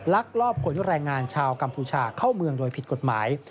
ลักลอบขนแรงงานชาวกัมพูชาเข้าเมืองโดยผิดกฎหมาย